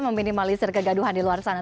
meminimalisir kegaduhan di luar sana